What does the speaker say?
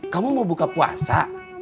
kamu mau buka puasa